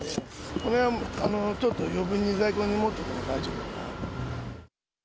これはちょっと余分に在庫を持っておくと大丈夫だから。